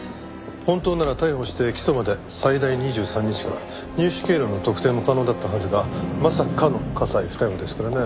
本当なら逮捕して起訴まで最大２３日間入手経路の特定も可能だったはずがまさかの加西不逮捕ですからね。